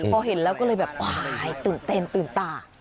พอเห็นแล้วก็เลยตื่นเต้นตื่นตา